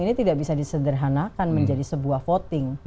ini tidak bisa disederhanakan menjadi sebuah voting